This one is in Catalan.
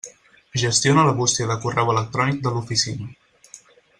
Gestiona la bústia de correu electrònic de l'Oficina.